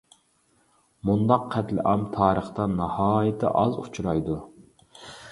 مۇنداق قەتلىئام تارىختا ناھايىتى ئاز ئۇچرايدۇ.